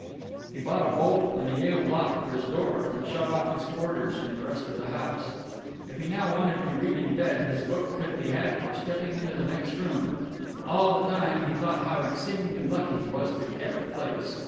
He bought a bolt and a Yale lock for his door, and shut off his quarters from the rest of the house. If he now wanted to read in bed, his book could be had for stepping into the next room. All the time, he thought how exceedingly lucky he was to get the place.